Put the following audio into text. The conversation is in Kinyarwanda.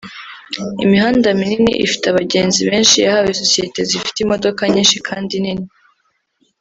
Imihanda minini ifite abagenzi benshi yahawe sosiyete zifite imodoka nyinshi kandi nini